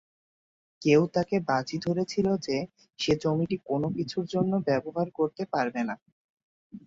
কেউ তাকে বাজি ধরেছিল যে সে জমিটি কোনও কিছুর জন্য ব্যবহার করতে পারবে না।